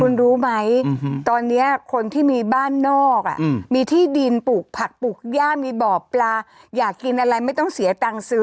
คุณรู้ไหมตอนนี้คนที่มีบ้านนอกมีที่ดินปลูกผักปลูกย่ามีบ่อปลาอยากกินอะไรไม่ต้องเสียตังค์ซื้อ